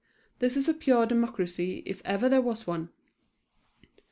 This is a pure democracy if ever there was one.